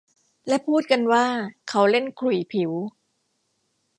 และพูดกันว่าเขาเล่นขลุ่ยผิว